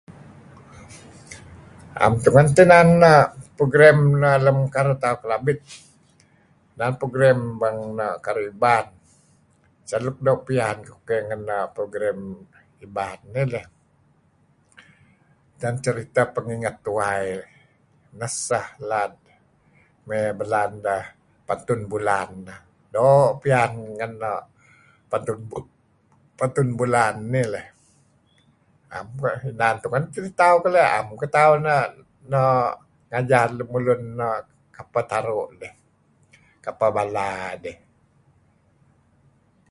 "Naem tungen teh inan neh program neh lem kauh tauh Kelabit. Inan program bang no' karuh Iban. Seh luk doo' piyan kukeh ngen program Iban nih leyh inan ""Ceritah Penginget Tuwai"" neh seh lad may belaan deh ""Pantun Bulan"". Doo' piyan ngen no' Pantun Bulan nih leyh. Am man, inan tun teh ditauh keleh naem kitauh nok ngajar lemulun nok kapeh taru', kapeh bala dih."